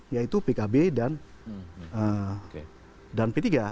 yaitu pkb dan p tiga